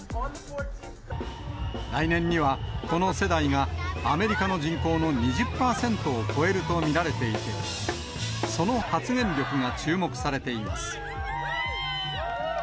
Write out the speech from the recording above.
来年には、この世代がアメリカの人口の２０％を超えると見られていて、その発言力が注目されています。